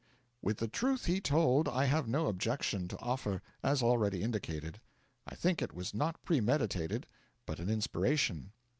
With the truth he told I have no objection to offer, as already indicated. I think it was not premeditated but an inspiration.